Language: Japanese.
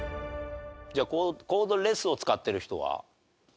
じゃあコードレスを使ってる人は？